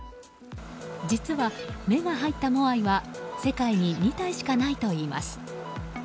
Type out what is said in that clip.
実は、目が入ったモアイは世界に２体しかないといいます。